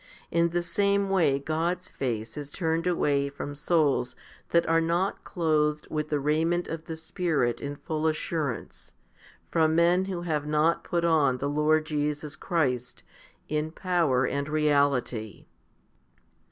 In the same way God's face is turned away from souls that are not clothed with the raiment of the Spirit in full assurance, from men who have not put on the Lord Jesus Christ 3 in power and reality.